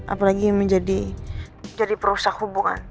apalagi menjadi perusaha hubungan